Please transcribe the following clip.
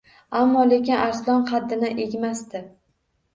Ammo lekin Arslon qaddini egmasdi.